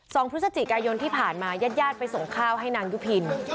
สองพุทธจิกายนที่ผ่านมายาดไปส่งข้าวให้นางยุพิน